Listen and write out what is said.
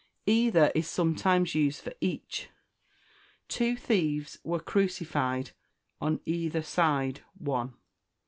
Either is sometimes used for each "Two thieves were crucified, on either side one."